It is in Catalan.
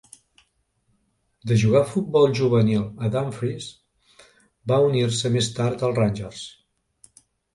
De jugar futbol juvenil a Dumfries, va unir-se més tard als Rangers.